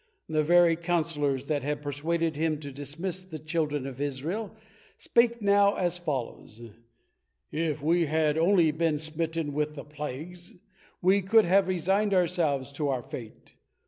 The very counselors that had persuaded him to dismiss the children of Israel spake now as follows: " If we had only been smitten with the plaques, we could have resigned ourselves to our fate.